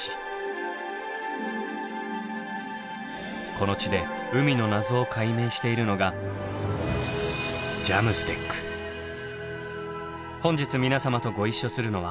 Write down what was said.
この地で海の謎を解明しているのが本日皆様とご一緒するのは。